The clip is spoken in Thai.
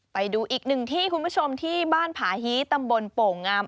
ไปดูอีกหนึ่งที่คุณผู้ชมที่บ้านผาฮีตำบลโป่งงาม